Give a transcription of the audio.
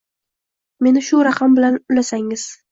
Meni shu raqam bilan ulasangiz.